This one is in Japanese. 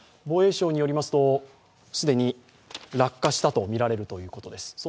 防衛省によりますと、既に落下したとみられるということです。